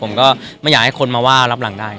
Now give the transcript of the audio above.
ผมก็ไม่อยากให้คนมาว่ารับหลังได้